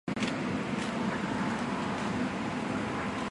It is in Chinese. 苏士润之侄。